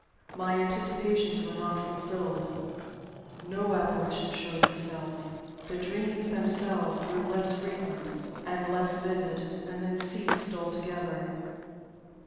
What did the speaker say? My anticipations were not fulfilled; no apparition showed itself. The dreams themselves grew less frequent and less vivid and then ceased altogether.